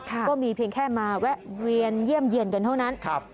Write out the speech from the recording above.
ก็มีเพียงแค่มาแวะเวียนเยี่ยมเยี่ยนกันเท่านั้น